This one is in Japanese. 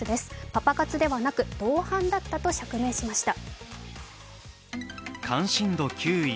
パパ活ではなく同伴だったと釈明しました。